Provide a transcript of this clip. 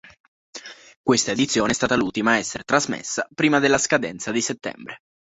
Questa edizione è stata l'ultima a essere trasmessa prima della scadenza di settembre.